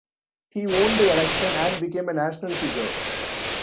He won the election and became a national figure.